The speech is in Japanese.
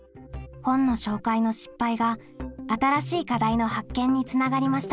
本の紹介の失敗が新しい課題の発見につながりました。